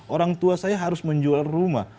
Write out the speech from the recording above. orang tua saya harus menjual rumah